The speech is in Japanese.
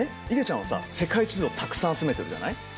いげちゃんはさ世界地図をたくさん集めてるじゃない？